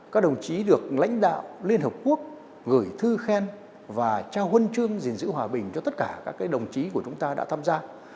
các đồng chí được lãnh đạo liên hợp quốc gửi thư khen và trao huân chương gìn giữ hòa bình cho tất cả các đồng chí của chúng ta đã tham gia